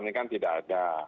ini kan tidak terjadi